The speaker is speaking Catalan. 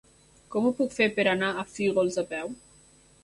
Com ho puc fer per anar a Fígols a peu?